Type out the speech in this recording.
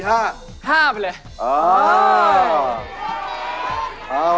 เอาล่ะมา